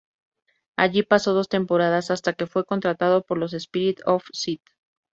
Allí pasó dos temporadas hasta que fue contratado por los Spirits of St.